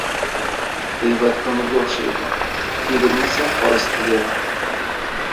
Gʻiybat koʻmirga oʻxshaydi, kuydirmasa, qorasi tegadi.